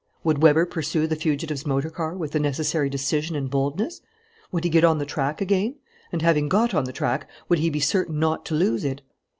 Would Weber pursue the fugitive's motor car with the necessary decision and boldness? Would he get on the track again? And, having got on the track, would he be certain not to lose it?